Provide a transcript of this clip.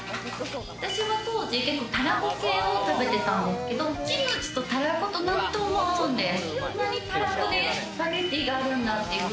私は当時、たらこ系を食べてたんですけれど、キムチとたらこと納豆も合うんです。